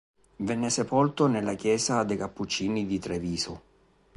Venne sepolto nella chiesa dei cappuccini di Treviso.